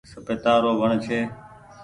سپيتا رو وڻ ڇي۔